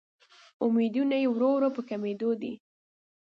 امیدونه مې ورو ورو په کمیدو دې